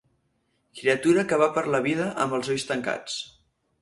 Criatura que va per la vida amb els ulls tancats.